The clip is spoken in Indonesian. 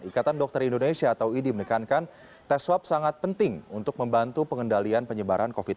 ikatan dokter indonesia atau idi menekankan tes swab sangat penting untuk membantu pengendalian penyebaran covid sembilan belas